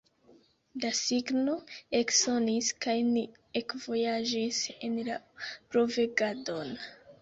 La signo eksonis, kaj ni ekvojaĝis en la blovegadon.